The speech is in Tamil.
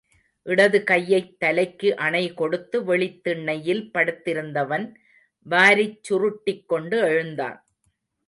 இடது கையைத் தலைக்கு அணை கொடுத்து வெளித் திண்ணையில் படுத்திருந்தவன், வாரிச் சுருட்டிக்கொண்டு எழுந்தான்.